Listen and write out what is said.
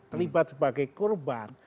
terlibat sebagai korban